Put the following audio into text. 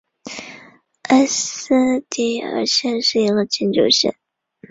埃斯蒂尔县是一个禁酒县。